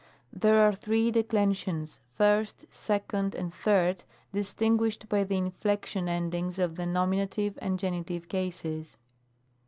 There are three declensions, first, second, and third, distinguished by the inflection endings of the Nom. and Gen. cases.